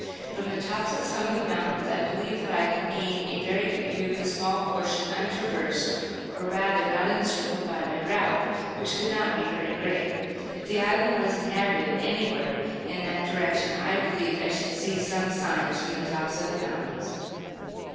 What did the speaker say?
From the tops of some of the mountains, I believed that I could gain a very good view of the small portion untraversed, or rather not encircled by my route, which could not be very great. If the island was inhabited anywhere in that direction, I believed I should see some signs from the tops of the mountains.